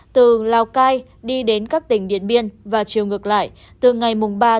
từ lào cai đi đến các tỉnh điện biên và chiều ngược lại từ ngày ba một mươi một